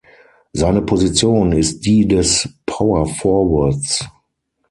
Seine Position ist die des Power Forwards.